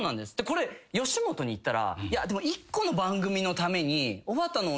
これ吉本に言ったら１個の番組のために。